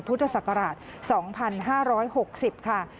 พุทธศักราช๒๕๖๐ค่ะ